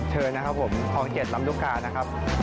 เชิญนะครับผมคลองเจ็ดลำรุกานะครับ